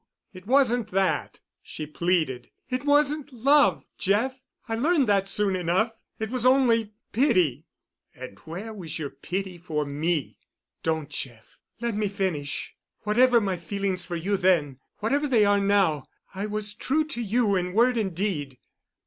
It wasn't that," she pleaded. "It wasn't love, Jeff. I learned that soon enough. It was only pity——" "And where was your pity for me?" "Don't, Jeff—let me finish. Whatever my feelings for you then, whatever they are now, I was true to you in word and deed."